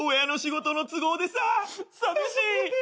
寂しい。